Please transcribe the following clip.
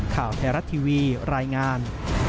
ข่าวแถรัตทีวีรายงาน